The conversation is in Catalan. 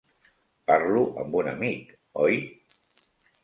Parlo amb un amic, oi?